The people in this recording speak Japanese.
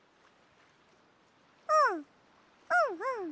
うんうんうん。